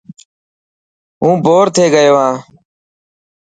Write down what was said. هون بور ٿي گيو هان.